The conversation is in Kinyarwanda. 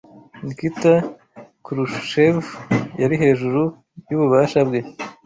Nikita Khrushchev yari hejuru yububasha bwe